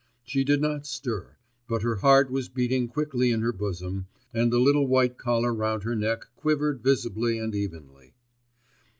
She did not stir, but her heart was beating quickly in her bosom, and the little white collar round her neck quivered visibly and evenly.